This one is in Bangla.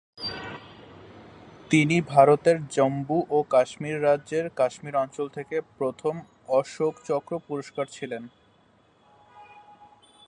তিনি ভারতের জম্মু ও কাশ্মীর রাজ্যের কাশ্মীর অঞ্চল থেকে প্রথম অশোক চক্র পুরস্কার ছিলেন।